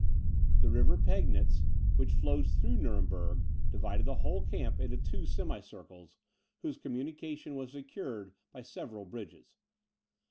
The river Pegnitz, which flows through Nuremberg, divided the whole camp into two semicircles, whose communication was secured by several bridges.